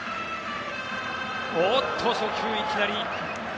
おっと初球、いきなり。